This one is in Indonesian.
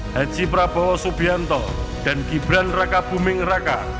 haji prabowo subianto dan gibran raka buming raka